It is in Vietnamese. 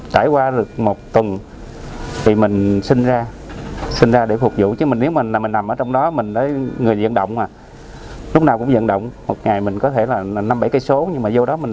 thấy bệnh nhân diễn động lúc nào cũng diễn động một ngày mình có thể là năm bảy km nhưng vào đó mình